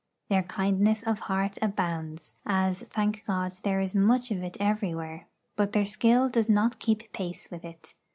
Their kindness of heart abounds as, thank God, there is much of it everywhere but their skill does not keep pace with it.